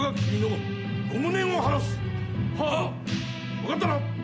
分かったな？